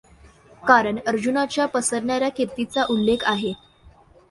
कारण अर्जुनाच्या पसरणाऱ्या कीर्तीचा उल्लेख आहे.